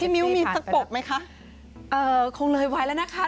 มิวมีสันปปกมั้ยคะ